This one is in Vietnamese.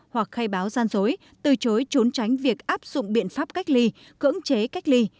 hoặc khai báo gian dối từ chối trốn tránh việc áp dụng biện pháp cách ly cưỡng chế cách ly